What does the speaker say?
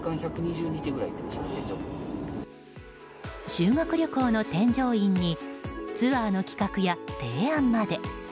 修学旅行の添乗員にツアーの企画や提案まで。